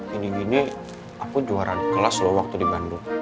gini gini aku juara di kelas loh waktu di bandung